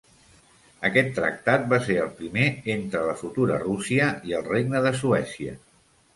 Aquest tractat va ser el primer entre la futura Rússia i el regne de Suècia.